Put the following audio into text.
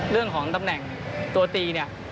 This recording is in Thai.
เรื่องของตำแหน่งตัวตีเนี่ย